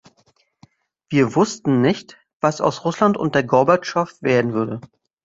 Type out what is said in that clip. Wir wussten nicht, was aus Russland unter Gorbatschow werden würde.